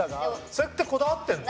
それってこだわってるの？